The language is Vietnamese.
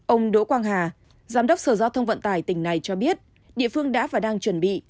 ông đỗ quang hà giám đốc sở giao thông vận tải tỉnh này cho biết địa phương đã và đang chuẩn bị